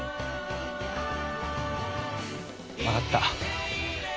分かった。